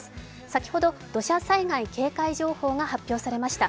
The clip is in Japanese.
先ほど土砂災害警戒情報が発表されました。